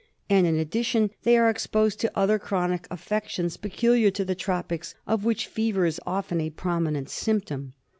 And, in addition, they are ■exposed to other chronic affections peculiar to the tropics, of which fever is often a prominent symptom.